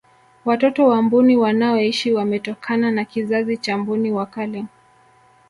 watoto wa mbuni wanaoishi wametokana na kizazi cha mbuni wa kale